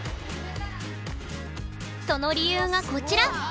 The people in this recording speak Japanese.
その理由がこちら。